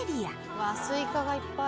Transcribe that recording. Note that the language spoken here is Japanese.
うわスイカがいっぱい。